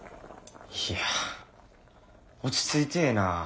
いや落ち着いてえな。